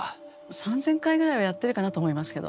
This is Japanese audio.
３，０００回ぐらいはやってるかなと思いますけど。